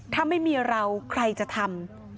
ถ้าไม่มีเราใครจะทำ